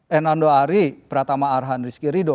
hernando ari pratama arhan rizky rido